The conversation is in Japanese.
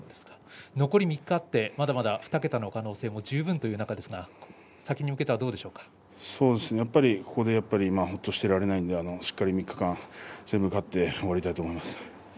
残り３日あってまだまだ２桁の可能性も十分という中ですがここでほっとしていられないのでしっかり３日間全部勝って終わりたいと思います。